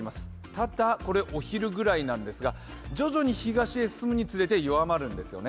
ただこれ、お昼ぐらいなんですが徐々に東に進むにつれて弱まるんですよね。